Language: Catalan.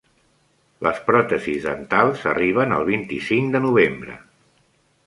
Les pròtesis dentals arriben el vint-i-cinc de novembre.